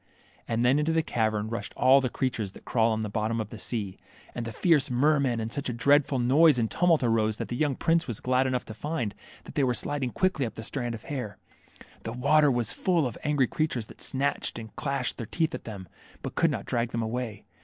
And then into the cavern rushed all the creatures that crawl on the bottom of the sea, and the fierce mermen, and such a dreadful noise and tumult arose that the young prince was glad enough to find that they were sliding quickly up the strand of hair. The water was full of angry creatures that snatched and clashed their teeth at them, but could not drag them away.